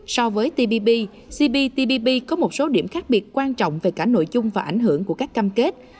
so với tpp cptpp có một số điểm khác biệt quan trọng về cả nội dung và ảnh hưởng của các cam kết